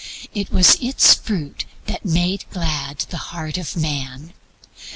It was its fruit that made glad the heart of man.